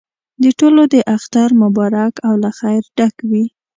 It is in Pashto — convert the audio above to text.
د ټولو دې اختر مبارک او له خیره ډک وي.